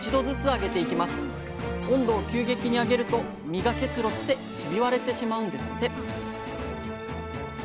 温度を急激に上げると実が結露してひび割れてしまうんですって